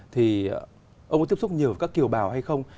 thì ông có tiếp xúc nhiều các kiều bào hay không